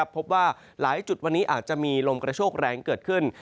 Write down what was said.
พบว่าหลายจุดวันนี้อาจจะมีลมกระโชคแรงเกิดขึ้น